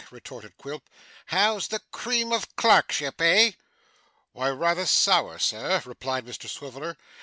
retorted Quilp. 'How's the cream of clerkship, eh?' 'Why, rather sour, sir,' replied Mr Swiveller.